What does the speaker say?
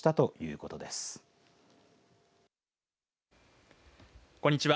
こんにちは。